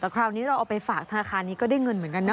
แต่คราวนี้เราเอาไปฝากธนาคารนี้ก็ได้เงินเหมือนกันนะ